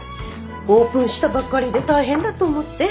オープンしたばっかりで大変だと思って。